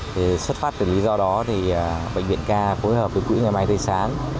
thì xuất phát từ lý do đó thì bệnh viện ca phối hợp với quỹ ngày mai thế sáng